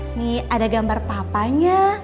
ini ada gambar papanya